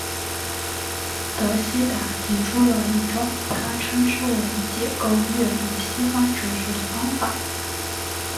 德希达提出了一种他称之为解构阅读西方哲学的方法。